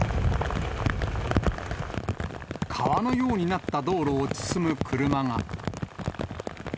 川のようになった道路を進む車が。